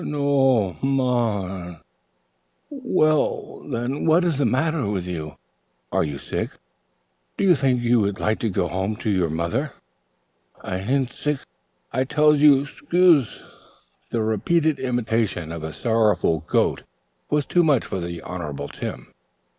"N o o oh m a a an." "Well, then what is the matter with you? Are you sick? Don't you think you would like to go home to your mother?" "No o o oh m a a an; I ain't sick. I tells you 'scuse." The repeated imitation of a sorrowful goat was too much for the Honorable Tim.